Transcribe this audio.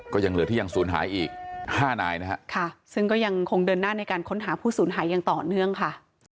ก็ยังเหลือที่ยังศูนย์หายอีกห้านายนะฮะค่ะซึ่งก็ยังคงเดินหน้าในการค้นหาผู้สูญหายอย่างต่อเนื่องค่ะ